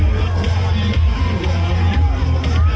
กลับไปรับไป